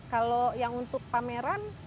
kalau yang untuk pameran